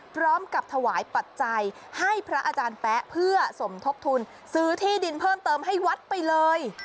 พร้อมกับถวายปัจจัยให้พระอาจารย์แป๊ะเพื่อสมทบทุนซื้อที่ดินเพิ่มเติมให้วัดไปเลย